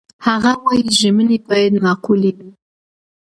هغه وايي، ژمنې باید معقولې وي.